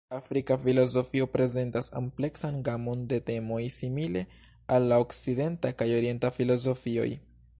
Afrika filozofio prezentas ampleksan gamon de temoj simile al la Okcidenta kaj Orienta filozofioj.